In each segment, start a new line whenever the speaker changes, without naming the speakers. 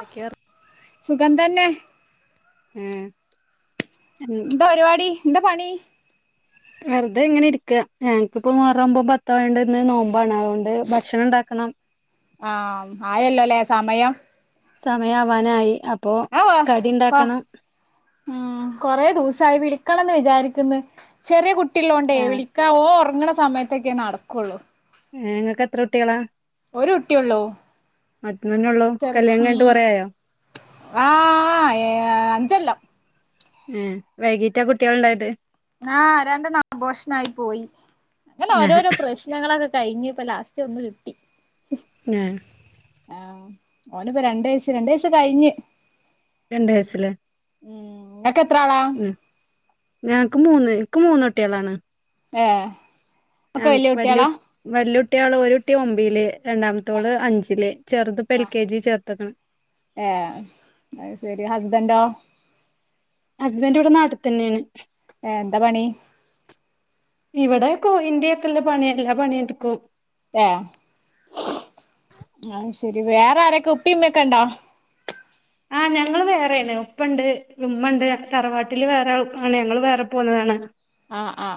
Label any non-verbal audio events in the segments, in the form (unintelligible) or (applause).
എന്തൊക്കെയ
സുഖം തന്നെ
ഉം
എന്താ പരിപാടി എന്താ പണി
വെറുതെ എങ്ങനെ ഇരിക്കുവ ഞങ്ങക്കിപ്പ മുഹറം ഒമ്പും പത്തും ആയോണ്ട് നോ വേണം അതുകൊണ്ട് ഭക്ഷണം ഉണ്ടാക്കണം
ആഹ് ആയല്ലോല്ലേ സമയം
സമയാ വാനായി അപ്പോ
ആഹ്
കടി
കൊ
ഉണ്ടാക്കണം
ഉം കൊറേ ദിവസമായി വിളിക്കണംന്ന് വിചാരി (unintelligible) ചെറിയ കുട്ടിയള്ളോണ്ടേ
ആഹ്
വിളിക്കാവോ ഉറങ്ങണ സമയത്തൊക്കെ നടക്കുള്ളൂ
ഏ ങ്ങൾക് എത്ര കുട്ടികളാ
ഒരു കുട്ടിയ ഉള്ളൂ
ഒറ്റ തന്നെ ഉള്ളോ കല്യാണം കഴിഞ്ഞിട്ട് കുറേ ആയാ
ആ ഏ അഞ്ചൊല്ലം
ഉം വൈകീട്ട കുട്ടികൾ ഉണ്ടായത്?
ആ രണ്ടെണ്ണം അബോർഷൻ ആയി പോയി അങ്ങനെ
ആഹ്
ഓരോരോ പ്രശ്നങ്ങളൊക്കെ കഴിഞ്ഞ ഇപ്പ ലാസ്റ്റ് ഒന്ന് കിട്ടി
ആ
ഓനിപ്പോ രണ്ട് വയസ് രണ്ട് വയസ് കഴിഞ്ഞ്
രണ്ട് വയസിലേ
ഉം ഇങ്ങക്ക് എത്ര ആളാ
ഉം ഞങ്ങക്ക് മൂന്ന് ക്ക് മൂന്നൊട്ടികളാണ്
ഏഹ്
ആ
ഒക്കെ വല്യ കുട്ടികളാ
വല്യകു വല്യകു കുട്ടികള് ഒരു കുട്ടി ഒമ്പേല് രണ്ടാമത്തോള് അഞ്ചിലേ ചെറുത് പ്പ
ആ
എൽ കെ ജി ചേർത്തക്കണ്
ഏഹ് അത് ശരി ഹസ്ബൻഡോ?
ഹസ്ബൻഡ് ഇവിടെ നാട്ടിൽ തന്നെയാണ്
ഏ എന്താ പണി?
ഇവിടെയൊക്കെ ഇന്ത്യക്കല്ലേ പണി എല്ലാ പണിയെടുക്കും
ആ ആഹ് ശെരി വേറെ ആരൊക്കെ ഉപ്പിമ്മെക്കെ ഇണ്ടോ?
ആ ഞങ്ങള് വേറേണ് ഉപ്പണ്ട് ഉമ്മ ഉണ്ട് തറവാട്ടില് വേറെൾ ആണ് ഞങ്ങൾ വേറെ പോന്നതാണ്
ആ ആ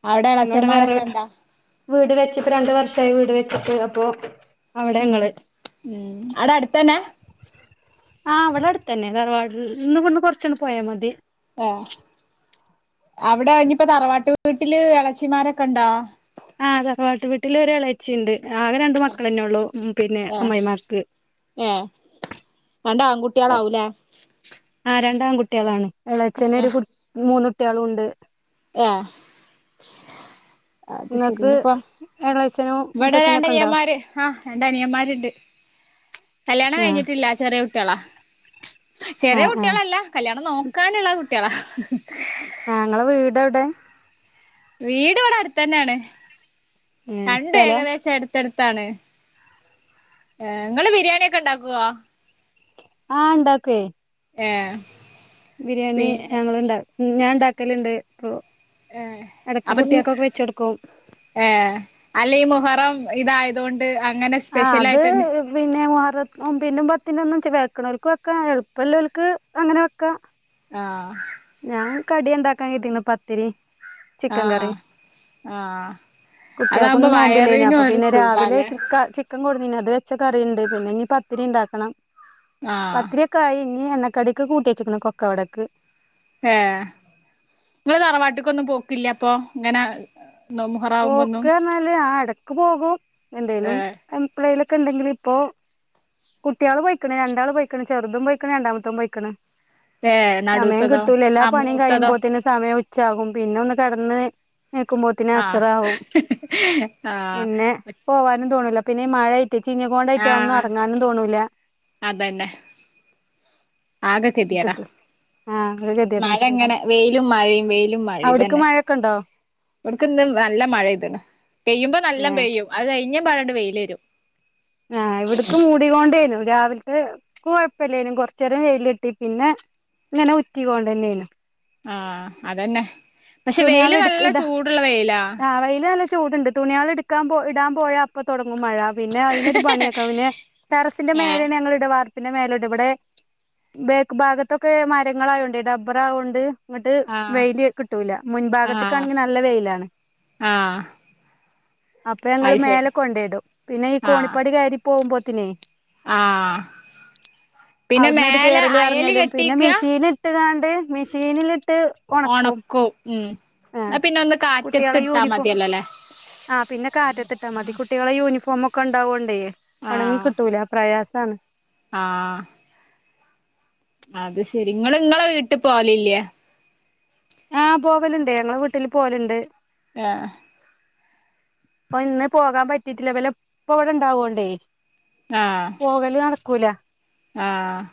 ആ
അങ്ങോട് വേറെ വീട് വെച്ചപ്പ രണ്ട് വർ ഷായി വീട് വെച്ചിട്ട് അപ്പൊ അവിടെ
ഉം
ഞങ്ങള്
ഉം അവ്ടെ അടുത്തന്നാ
ആഹ് ഇവിടെ അടുത്തന്നെ തറവാടിന്ന് ഇവിടന്ന് കൊറചൊന്ന് പോയാ മതി
ആ അവിടെ ആയിഞ്ഞപ്പോ തറവാട്ട് വീട്ടില് ഇളച്ചിമാരൊക്കെ അണ്ടോ?
ആ തറവാട്ടു വീട്ടില് ഒര് എളേച്ചിണ്ട് ആകെ രണ്ട് മക്കളെന്നെ ഉള്ളൂ മ് പിന്നെ
ഏഹ്
അമ്മായിമാക്ക്
ഏഹ് രണ്ട് ആൺകുട്ടികളാവൂലേ?
ആ രണ്ട് ആൺകുട്ടികളാണ് എളച്ചന് ഒരു ഫു മൂന്ന് കുട്ടികളുണ്ട്
ഏ അത് ശെരി
നിങ്ങക്ക്
ഇനിപ്പം
ഇളയച്ചനും
ഇവിടെ
മുത്തച്ഛനൊക്കെ ഉണ്ടോ
രണ്ടനിയന്മാര് ആ രണ്ട് അനിയന്മാര്ണ്ട് കല്യാണം
ആ
കഴിഞ്ഞിട്ടില്ല ചെറിയ കുട്ടികളാ
ആ
ചെറിയ
ആ
കുട്ടികളല്ല കല്യാണം നോക്കാനുള്ള കുട്ടികളാ
ആ ഇങ്ങളെ വീട് എവിടെ?
വീട് ഇവിടെ അട്ത്തന്നെയാണ്
ഏ
രണ്ടും
സ്ഥലം
ഏകദേശം അട്ത്തടുത്താ ത്താണ് ഏ നിങ്ങള് ബിരിയാണിയൊക്കെ ഇണ്ടാക്കുവോ?
ആ ഇണ്ടാക്കുവേ
ഏ
ബിരിയാണി
പിന്നെ
ഞങ്ങള് ഇണ്ടാ ഞാൻ ഇണ്ടാക്കലുണ്ട് പ്പൊ
ഏഹ് അപ്പൊ ൻ ഏഹ് അല്ലെ ഈ മുഹറം ഇതായതോ
ആ അത് പിന്നെ മുഹറ ഒമ്പേനും പത്തിനൊന്നും ച്ച് വേക്കണോർക്ക് വെക്കാ എളുപ്പല്ലോല്ക്ക് അങ്ങനെ വെക്കാ
ആഹ്
ഞാൻ കടി ഇണ്ടാക്കാനാ കര്തീക്ക്ണ പത്തിരിം
ആ
ചിക്കൻ കറിം
ആ അതാകുമ്പോ
കുട്ടിയെൾക്കൊന്നും നോമ്പില്ലേനി.
വയറിനും
അപ്പൊ
ഒരു
പിന്നെ
സുഖല്ലേ
രാവിലേക്ക്‌ ഇക്ക ചിക്കൻ കൊടുന്നീനി അ ത് വെച്ച കറി ഇണ്ട്. പിന്നെ ഇനി പത്തിരി ഇണ്ടാക്കണം
ആ
പത്തിരിയൊക്കെ ആയി. ഇനി എണ്ണക്കടിക്ക് കൂട്ടിയേച്ക്ണ്‌ കൊക്കവടക്ക്
ഏഹ് ഇങ്ങള് തറവാട്ട്ക്കൊന്നും പോക്കില്ല അപ്പൊ ഇങ്ങനെ മുഹറാവുമ്പോന്നും
പോക്ക് പറഞ്ഞാല് ആ എടക്ക് പോകും
ഏ
എന്തേലും എപ്ളേലു ക്കൊണ്ടെങ്കില് ഇപ്പോ കുട്ടിയേള് പോയിക്കണ് രണ്ടാള് പോയിക്കണ് ചെറുതും പോയിക്കണ് രണ്ടാമത്തും പോയിക്കണ്
ഏ
സമയം
നടുത്തതോ
കിട്ടൂല എല്ലാ
ആ
പണിയും
മൂത്തതോ
കഴിയുമ്പോതിന്നു സമയം ഉ ച്ചാകും പിന്നെ ഒന്ന് കടന്ന് എനിക്കുമ്പോഴ്ത്തിന് അസ്
ആഹ്
വും.
ആഹ്
പിന്നെ പോവാനും തോണില്ല പിന്നെ ഈ മഴയ് ട്ട് ചീഞ്ഞ്ക്കൊണ്ടായിറ്റെ ഒന്നും
ആഹ്
എറങ്ങാനും തോന്നൂല
അതന്നെ ആകെ കെതിയേടാ
ആഹ് ഒരു
മഴ
ഗതികേടാണ്
ഇങ്ങനെ വെയിലും മഴയും വെയിലും മഴയും
അവിടക്ക്
ഇതന്നെ
മഴയൊക്കെ ഉണ്ടോ
ഇവിട്ക്ക് ഇന്ന് നല്ല മഴ പെയ്ത്ണ്. പെയ്യുമ്പം നല്ലം
ഏഹ്
പെയ്യും അത് കഴിഞ്ഞെമ്പാടണ്ട് വെയിലെരും
ആ ഇവിടക്കും മൂടികൊണ്ടേനു രാവിലത്തെ കുഴപ്പല്ലേനു കൊറച്ചേരം വെയിലിട്ടി. പിന്നെ ഇങ്ങനെ ഉറ്റികൊണ്ടന്നേനു.
ആ അതന്നെ. പക്ഷെ വെയില്
തുണിയാള് എടു
നല്ല ചൂടുള്ള വെയിലാ
ചൂട്ണ്ട്. തുണിയേള് ഇട്ക്കാൻ പോ ഇടാൻ പോയ അപ്പൊ തൊട ങ്ങും മഴ. പിന്നെ അയിനൊരു പണിയേക്ക പിന്നെ ടെറസിന്റെ
ഏഹ്
മേലെ ഞങ്ങളിട വാ ർപ്പിൻ്റെ മേലട. ഇബടെ ബേക്ക് ഭാഗത്തൊക്കെ മരങ്ങളായൊണ്ടെ ഡബ്ബറായോണ്ട് ഇങ്ങട്ട്
ആഹ്
വെയില് കിട്ടൂല
ആഹ്
മുൻഭാഗത്ക്കാണെങ്കി നല്ല വെയിലാണ്
ആഹ്
അപ്പോ ഞങ്ങള്
അത് ശരി
മേലെ കൊണ്ടേയിടും പിന്നെ ഈ
ആഹ്
കോണിപ്പാടി കയരി പോകുമ്പോത്തിനേ
ആഹ് പിന്നെ
അവിടന്നങ്ങട്ട്
മേലെ
കേറലും
അയല്
എറങ്ങലും പിന്നെ
കെട്ടിക്കാ
മെഷീൻ ഇട്ട് കാ ണ്ട് മെഷീനിലിട്ട് ഒണക്കും ആഹ്
ന്നാ പിന്നെ ഒന്ന്
കുട്ടിയളെ
കാറ്റത്തിട്ടാ
യൂണിഫോ.
മതിയല്ലോല്ലേ
ആഹ് പിന്നെ കാറ്റത്തിട്ടാ മതി. കു ട്ടികളെ യൂണിഫോമ് ഒക്കെ ഉണ്ടാവോണ്ടേ ഒണങ്ങി
ആഹ്
കിട്ടൂല പ്രയാസാണ്
ആഹ് അത് ശെരി ഇങ്ങള് ഇങ്ങളെ വീട്ടിൽ പോവലില്ലേ
ആ പോവല്ണ്ട് ഞങ്ങള് വീട്ടില് പോല്ണ്ട്
ഏഹ്
അപ്പോ ഇന്ന് പോകാൻ പറ്റിട്ടില്ല ഇവല ഇപ്പ ഇവിടെ ഇണ്ടാവോണ്ടേ
ആഹ്
പോകല് നട ക്കുല
ആഹ്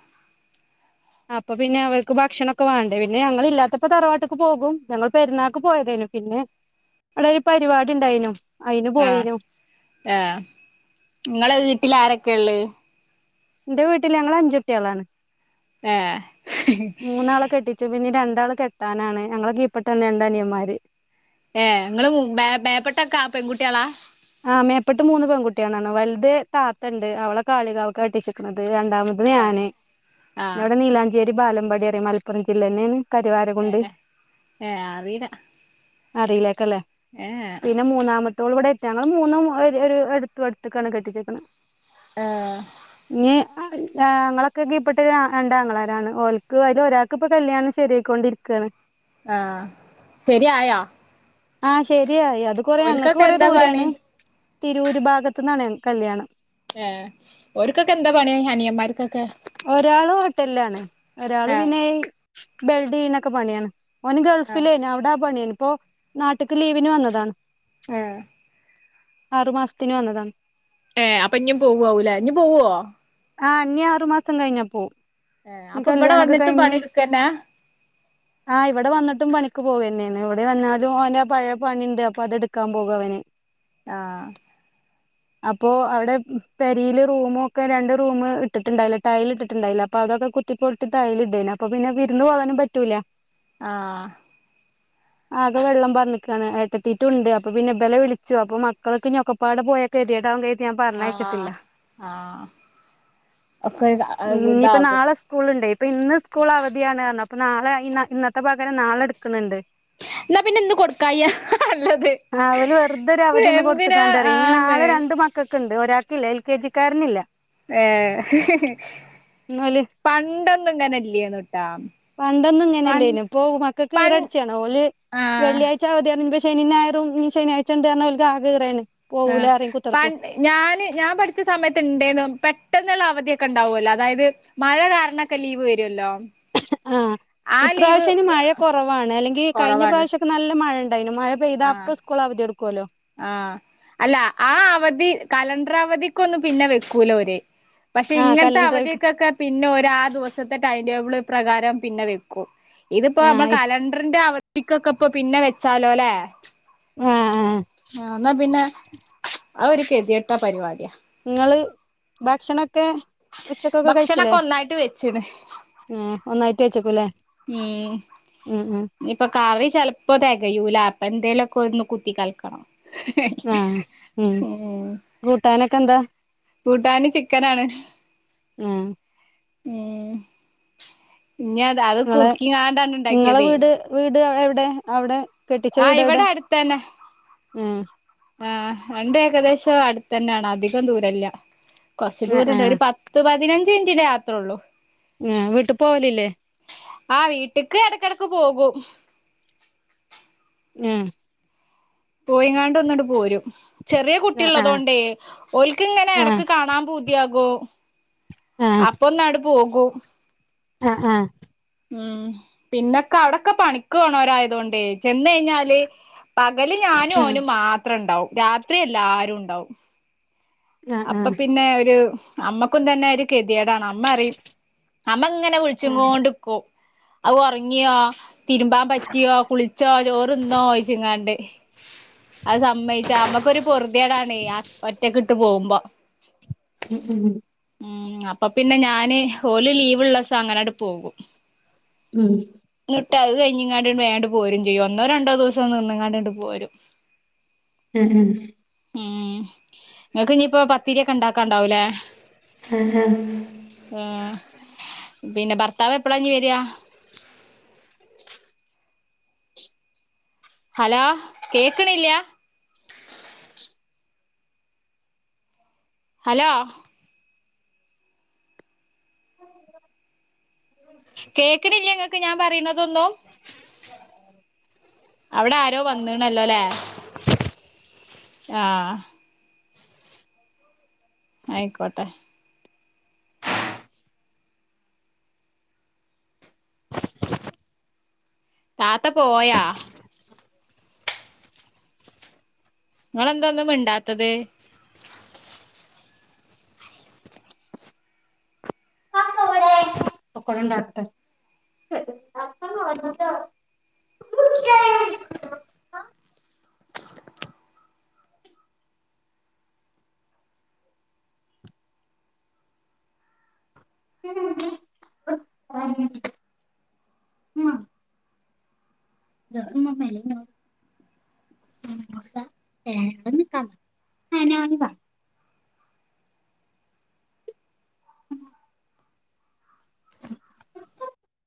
അപ്പോ പിന്നെ അവർക്ക് ഭക്ഷണൊക്കെ വേണ്ടേ പിന്നെ ഞങ്ങൾ ഇല്ലാത്തപ്പോ തറവാട്ട്ക്ക് പോകും. ഞങ്ങൾ പെരുന്നാൾക്ക് പോയതേനു പിന്നെ അവിടെ ഒരു പരിപാടി ഉണ്ടായിനു അയിന്
ആഹ്
പോയിനു
ആഹ് ഇങ്ങളെ വീട്ടിൽ ആരൊക്കെ ഇള്ളേ
ഇന്റെ വീട്ടില് ഞങ്ങള് അഞ്ചുട്ടിയേളാണ്
ഏഹ്
മൂന്നാളെ കെട്ടിച്ചു. പിന്നെനി രണ്ടാള് കെട്ടാനാണ് ഞങ്ങളെ കീപ്പെട്ടന്നെ രണ്ട് അനിയന്മാര്
ഏഹ് ഇങ്ങള് മൂ മേ മേപ്പട്ടേക്ക പെൺകുട്ടിയേളാ
പ്പട്ട് മൂന്ന് പെൺകുട്ടിയേളാണ് വലുത് താത്ത് ഇണ്ട് അവളെ കാളികാവ്ക്ക കെട്ടിച്ക്കണ ത് രണ്ടാമത്തത്
ഏഹ്
ഞാന്
ആഹ്
ഇവിടെ നീലാഞ്ചേരി ബാലമ്പടി അറിയോ മലപ്പുറം ജില്ലെന്നേണ്
എ എ ഏ അറീല്ല
അറിയില്ലേക്കല്ലേ. പിന്നെ മൂന്നാമത്തോള് ഇവടെ ഞങ്ങള് മൂന്നും ഒരു എടുത്തു അടുത്തക്കാണ് കെട്ടിച്ചേക്കണേ
ഏ
ഞങ്ങളൊക്കെ കിപ്പാട്ട് രണ്ടാങ്ങളാരാണ് ഒന്ക് അതില് ഒരാൾക്ക് ഇപ്പോ കല്യാണം ശരിയായിക്കൊണ്ടിരിക്കണ്
ആ ശരിയായാ
ആ ശെരിയായി അത് കൊറേ അങ്ങക്ക് കൊറേ
എന്താ പണി
ദൂരാണ് തിരൂര് ഭാഗത്ത്ന്നാണ് കല്യാണം
ഏ ഓര്ക്കൊക്കെ എന്താ പണിയ അനിയന്മാർക്ക്
ഒരാള് ഹോട്ടലിലാണ് ഒരാള്
ഏഹ്
പിന്നെ ബെൽഡ് ഏയ്ന്നൊക്കെ പണിയാണ് ഓന്
ആഹ്
ഗൾഫില് അയിനു അവിടാ പണിയേനു ഇപ്പോ നാട്ട്ക്ക് ലീവിന് വന്നതാണ്
ഏഹ്
ആറുമാസത്തിന് വന്നതാണ്
ഏ അപ്പോ ഇനിം പോവവൂല ഇനി പോവോ
ആ ഇനി ആറു മാസം കഴിഞ്ഞാ
ഏ
പോകും
അപ്പൊ ഇവിടെ
കല്യാണൊക്കെ
വന്നിട്ടും
കഴിഞ്ഞു
പണിയെടുക്കന്നെ
ആഹ ഇവിടെ വന്നിട്ടും പണിക്ക പോകന്നെയാണ് ഇവിടെ വന്നാലും അവന്റെ പഴയ പണിണ്ട് അപ്പൊ അതെടുക്കാൻ പോകും അവന്
ആ
അപ്പോ അവിടെ പെരിയില് റൂമൊക്കെ രണ്ട് റൂമ ഇട്ടിട്ടുണ്ടായില്ല ടൈല് ഇട്ടിട്ടുണ്ടായില്ല അപ്പൊ അതൊക്കെ കുത്തിപ്പോട്ടി ടൈല് ഇടേന് അപ്പൊ പിന്നെ വിരുന്ന് പോകാനും പറ്റൂല
ആഹ്
ആകെ വെള്ളം പറഞ്ഞ ട്ടെത്തിയിട്ടുണ്ട് അപ്പൊ പിന്നെ ബില വിളിച്ചു അപ്പൊ മക്കൾക്ക് ഞൊക്കപ്പാടെ പോയൊക്കെ എരിയടാൻ ഞാൻ പറഞ്ഞയിച്ചിട്ടില്ല
ആഹ് ആഹ് ഒക്കെ
ഇനി ഇപ്പോ
ഇതാകും
നാളെ സ്കൂളി ഇപ്പൊ ഇന്ന് സ്കൂൾ അവധിയാണ് അപ്പ നാളെ ഇന്നത്തെ പകരം നാളെ എടുക്കുന്നുണ്ട്
എന്നാ പിന്നെ എന്ത് കൊടുക്കായ നല്ലത്
ആ അവല് വെറുതൊരു അവധിന്ന്
എന്തിനാ
കൊടുക്കണ്ടിയ ഈ
ആന്ന്
നാളെ രണ്ട് മക്കൾ ണ്ട് ഒരാക്കില്ല എൽ കെ ജിക്കാരനില്ല
ഏ
ഓല്
പണ്ടൊന്നും ഇങ്ങന ഇല്ലേന്നുട്ടാ
വണ്ടൊന്നും ഇങ്ങനല്ല
പണ്ട്
ഇന് പോകും മക്കെ
പൺ
കീറടിച്ചാണ് ഓല്
ആഹ്
വെള്ളിയാഴ്ച അവധി ശനി ഞായരും ഈ ശനിയഴ്ച ഉണ്ട തഞ്ഞ ആഗഹയാണ്
ആ പ ഞാൻ ഞാൻ പഠിച്ച സമയത്ത് ഉണ്ടേെന്ന പെ പെട്ടെന്നുള്ള അവധിയൊക്കെ ഉണ്ടാവുമല്ലോ അതായത് മഴ കാരണൊക്കെ ലീവ് വരുല്ലോ
ആ ഇപ്രാവശ്യം ഇന് മഴ കുറവാണ് അല്ലെങ്കി കഴിഞ്ഞ
കൊറവാണ്
പ്രാവശ്യ ഒക്കെ ന മഴണ്ടായിരുന്നു മഴ പെയതത്പ്പപ്പോ സ്കൂൾ അവധി എടുക്കുമല്ലോ
ആ അല്ല ആ അവധി കലണ്ടർ അവധിക്കൊന്നും പിന്നെ വെക്കൂലോ ഒര് പക്ഷെ
ആഹ്
ഇങ്ങനത്തെ
കലണ്ടറിൽക്ക്
അവധിയൊക്കൊക്കെ പിന്നെ ഒ ആ ദിവസത്തെ ടൈ പ്രകാരം പിന്നെ വെക്കും ഇതിപ്പോ നമ്മ
ആഹ് ഇ
കലണ്ടറിന്റെ അവ മിക്ക കപ്പ് പിന്നെ വെച്ചാലോല്ലേ
ആ. ആ
ആ എന്നാ പിന്നെ ആ ഒരു ഗതികെട്ട പരിപാടിയാ
ഞങ്ങള് ഭക്ഷണൊക്കെ ഉച്ചക്കൊക്കെ കഴിച്ചില്ലേ
ഭക്ഷണൊക്കെ ഒന്നായിട്ട് വെച്ച്ണ്
ആ ഒന്നായിട്ട് വെച്ചക്കൂല്ലേ
ഇയിപ്പൊ കറി ചിലപ്പോ തികയൂല അപ്പ എന്തേലുമൊക്കെ ഒന്ന് കുത്തി കൽക്കണം
ആ ഉം കൂട്ടാനൊക്കെ എന്താ
കൂട്ടാൻ ചിക്കനാണ്
ആഹ്
ഉം ഇനി അത്
ഇങ്ങളെ
കുറുക്കിങ്ങാണ്ടാണ് ഉണ്ടാക്കിയതേ
ദേ അവിടെ
ആ ഇവിടെ അടുത്തന്നെ
ഉം
ആ രണ്ട് ഏകദേശം അടുത്ത തന്നെയാണ് അധികം ദൂരല്ല കൊറച്ചു
ആഹ്
ദൂരണ്ട്
ആഹ്
ഒരു പത്ത് പതിനഞ്ച് മിനിന്റെ യാത്രയ ഉള്ളു
ഉം വീട്ടു പോവലില്ലേ
ആ വീട്ടക്ക് ഇടക്കിടക്ക് പോകും
ഏഹ്
പോയിങ്ങാണ്ട് ഒന്നിണ്ട് പോരും. ചെറിയ
ആഹ്
കുട്ടിയുള്ളതോണ്ടേ ഓൽക്ക് ഇങ്ങനെ
ആഹ്
എടക്ക് കാണാൻ പൂത്യാകു. അപ്പൊന്നാട് പോകൂ
അ ആ
ഉം പിന്നൊക്കെ അവടൊക്കെ പണിക്ക് പോണോരായതുകൊണ്ട് ചെന്നയ്ഞ്ഞാല് പകല് ഞാനു ഓനുമാത്രണ്ടാവും രാത്രി എല്ലാരുണ്ടാവും
ആഹ് ആഹ്
അപ്പൊ
ആഹ്
പിന്നെ ഒരു അമ്മക്കും തന്നെരു ഗതികേടാണ് അമ്മ അറിയും അമ്മങ്ങനെ വിളിച്ചു
ആഹ്
കോണ്ട്‌ക്കും ഔ ഉറങ്യോ തിരുമ്പാൻ പറ്റിയോ കുളിച്ചോ ചോറ് തിന്നോയ്ച്ച്ങ്ങാണ്ട് അത് സമ്മയിച്ച മ്മക്കൊരു പൊറുതേടാണ് ഒറ്റക്കിട്ട് പോകുമ്പോ
ഉ ഉം
ഉം അപ്പൊ പിന്നെ ഞാന് ഓല് ലീവ്ള്ളീസങ്ങനെണ്ട് പോകും
ഉം
ന്ന്ട്ടഹ്‌ കഴിഞ്ഞിങ്ങാണ്ട് വേണ്ട് പോരും ചെയ്യും ഒന്നോ രണ്ടോ ദിവസം നിന്ന് ങ്ങാണ്ട് പോരും
(unintelligible)
ഏ നിങ്ങക്കിഞ്ഞിപ്പോ പത്തിരി ഒക്കെ ണ്ടാക്കാണ്ടാവൂലേ
ആ ഹാ
പിന്നെ ഭർത്താവെപ്പളാഞ്ഞി വരാ ഹലോ കേക്ക്ണില്ല്യാ ഹലോ കേക്ക്ണില്ല്യ ങ്ങക്ക് ഞാൻ പറീണതൊന്നും അവ്ടാരോ വന്ന്ണല്ലോലേ ആ ആയിക്കോട്ടെ താത്ത പോയാ ങ്ങളെന്താ ഒന്നും മിണ്ടാത്തത്
(unintelligible) ഉമ്മ ഏ (unintelligible)